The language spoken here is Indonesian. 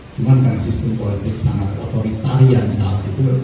cuma karena sistem politik sangat otoritarian saat itu